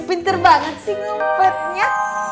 pinter banget sih ngumpetnya